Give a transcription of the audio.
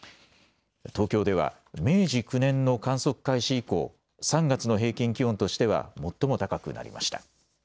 東京では明治９年の観測開始以降、３月の平均気温としては最も高くなりました。